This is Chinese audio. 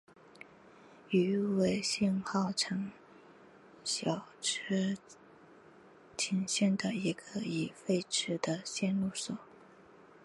羽尾信号场筱之井线的一个已废止的线路所。